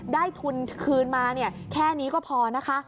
ได้ทุนคืนมาแค่นี้ก็พอนะคะ